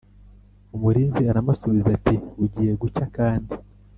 Umurinzi aramusubiza ati Bugiye gucya kandi